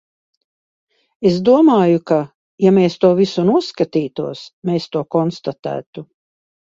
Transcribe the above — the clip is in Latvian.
Es domāju, ka, ja mēs to visu noskatītos, mēs to konstatētu.